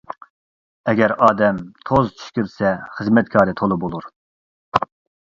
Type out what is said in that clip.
ئەگەر ئادەم توز چۈش كۆرسە، خىزمەتكارى تولا بولۇر.